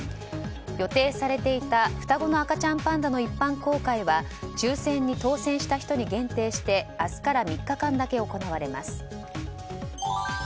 予定されていた、双子の赤ちゃんパンダの一般公開は抽選に当選した人に限定して明日から３日間だけ行われます。